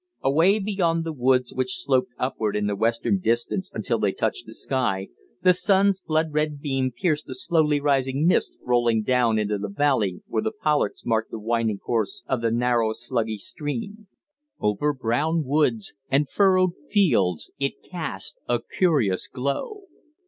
Away beyond the woods which sloped upward in the western distance until they touched the sky, the sun's blood red beam pierced the slowly rising mist rolling down into the valley where the pollards marked the winding course of the narrow, sluggish stream. Over brown woods and furrowed fields it cast a curious glow.